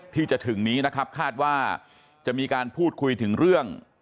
ที่จะถึงนี้นะครับคาดว่าจะมีการพูดคุยถึงเรื่อง